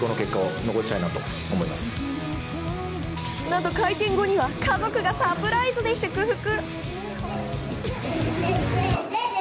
何と会見後には家族がサプライズで祝福。